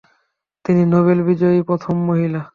তিনি নোবেল বিজয়ী প্রথম মহিলা।